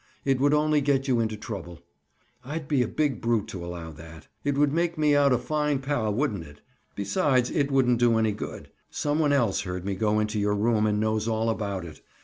It would only get you into trouble. I'd be a big brute to allow that. It would make me out a fine pal, wouldn't it? Besides, it wouldn't do any good. Some one else heard me go into your room and knows all about it.